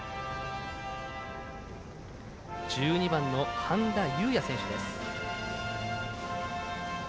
１２番の半田雄也選手です。